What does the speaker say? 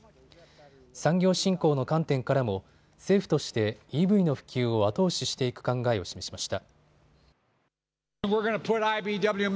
産業振興の観点からも政府としてＥＶの普及を後押ししていく考えを示しました。